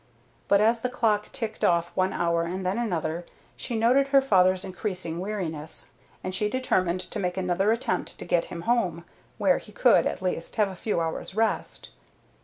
But as the clock ticked off one hour and then another, she noted her father's increasing weariness, and she determined to make another attempt to get him home, where he could, at least, have a few hours' rest.